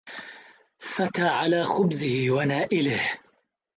فتى على خبزه ونائله